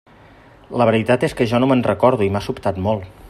La veritat és que jo no me'n recordo i m'ha sobtat molt.